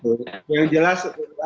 nana nana jangan mengarahkan ke situ